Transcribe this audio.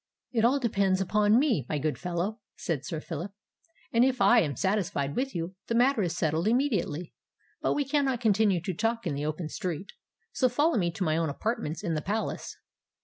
"It all depends upon me, my good fellow," said Sir Phillip: "and if I am satisfied with you, the matter is settled immediately. But we cannot continue to talk in the open street: so follow me to my own apartments in the palace."